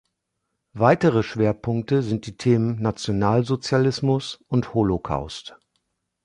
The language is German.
Weitere Schwerpunkte sind die Themen Nationalsozialismus und Holocaust.